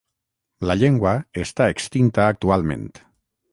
La llengua està extinta actualment.